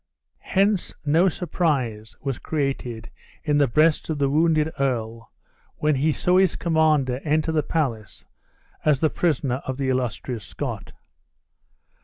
Hence no surprise was created in the breast of the wounded earl when he saw his commander enter the palace as the prisoner of the illustrious Scot.